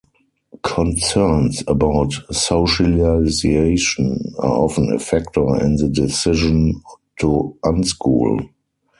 Concerns about socialization are often a factor in the decision to unschool.